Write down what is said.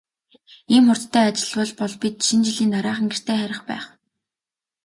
Ийм хурдтай ажиллавал бол бид Шинэ жилийн дараахан гэртээ харих байх.